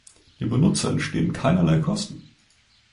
Dem Benutzer entstehen keinerlei Kosten.